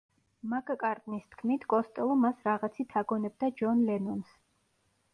მაკ-კარტნის თქმით, კოსტელო მას რაღაცით აგონებდა ჯონ ლენონს.